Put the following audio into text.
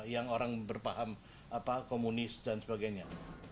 yang orang berpaham komunis dan sebagainya